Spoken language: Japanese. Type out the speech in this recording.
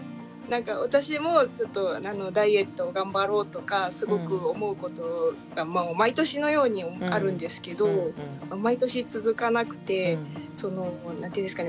私もダイエットを頑張ろうとかすごく思うことが毎年のようにあるんですけど毎年続かなくて何て言うんですかね